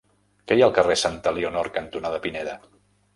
Què hi ha al carrer Santa Elionor cantonada Pineda?